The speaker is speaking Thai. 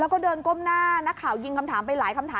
แล้วก็เดินก้มหน้านักข่าวยิงคำถามไปหลายคำถาม